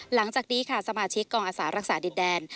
หลังจากนี้ค่ะสมาชิกกองอาสารักษาดินแดน